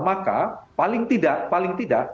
maka paling tidak